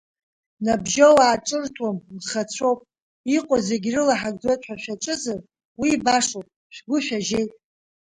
Набжьоуаа ҿырҭуам, нхацәоуп, иҟоу зегьы рылаҳагӡоит ҳәа шәаҿызар, уи башоуп, шәгәы шәажьеит!